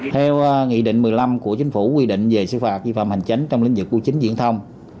theo nghị định một mươi năm của chính phủ quy định về sự phạt vi phạm hành chánh trong lĩnh vực u chín diễn thông